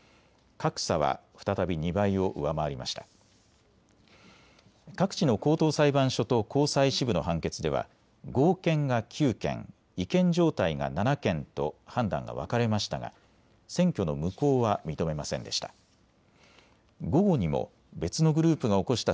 各地の高等裁判所と高裁支部の判決では合憲が９件、違憲状態が７件と判断が分かれましたが選挙の無効は認めませんでした。